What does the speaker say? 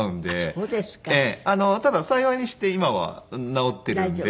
ただ幸いにして今は治っているんで。